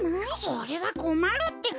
それはこまるってか。